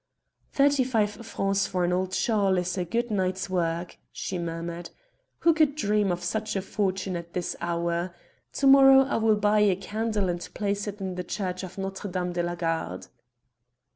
"Thirty five francs for an old shawl is a good night's work," she murmured. "Who could dream of such fortune at this hour? To morrow I will buy a candle and place it in the church of Notre Dame de la Garde."